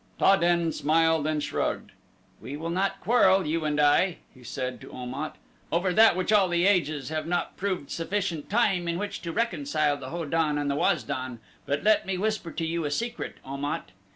Ta den smiled and shrugged. "We will not quarrel, you and I," he said to Om at, "over that which all the ages have not proved sufficient time in which to reconcile the Ho don and Waz don; but let me whisper to you a secret, Om at.